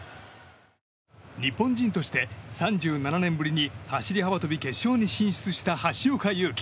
日本人として３７年ぶりに走り幅跳び決勝に進出した橋岡優輝。